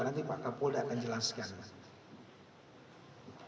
nanti pak kapolda akan jelaskan